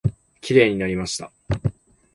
きれいになりました。